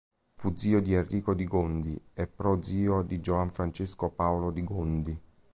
Fu zio di Enrico di Gondi e prozio di Giovan Francesco Paolo di Gondi.